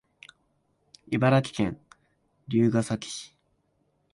茨城県龍ケ崎市